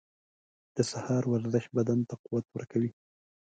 • د سهار ورزش بدن ته قوت ورکوي.